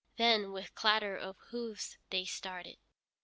Then with clatter of hoofs they started.